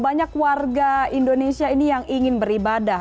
banyak warga indonesia ini yang ingin beribadah